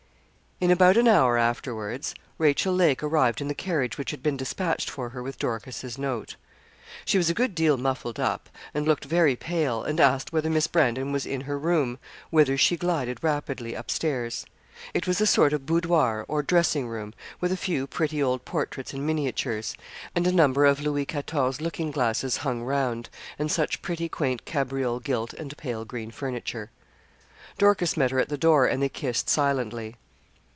In about an hour afterwards, Rachel Lake arrived in the carriage which had been despatched for her with Dorcas's note. She was a good deal muffled up, and looked very pale, and asked whether Miss Brandon was in her room, whither she glided rapidly up stairs. It was a sort of boudoir or dressing room, with a few pretty old portraits and miniatures, and a number of Louis Quatorze looking glasses hung round, and such pretty quaint cabriole gilt and pale green furniture. Dorcas met her at the door, and they kissed silently.